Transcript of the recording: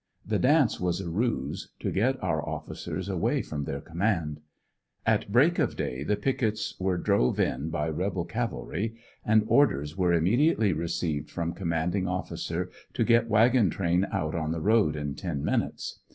The dance was a ruse to get our officers away from their command. At break of day the pickets were drove in by rebel caviilry, and orders were immediately received from commandini>: officer to get wagon train out on the road in ten minutes.